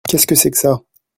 Qu’est-ce que c’est que ça ?